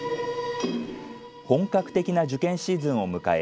本格的な受験シーズンを迎え